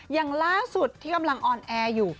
อย่างล่าสุดที่กำลังออนแอร์อยู่